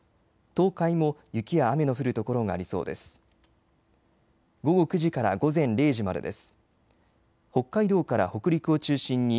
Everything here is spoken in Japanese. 東海も雪や雨の降る所がありそうです。